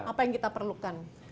apa yang kita perlukan